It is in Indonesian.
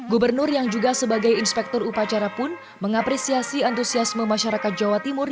gubernur yang juga sebagai inspektur upacara pun mengapresiasi antusiasme masyarakat jawa timur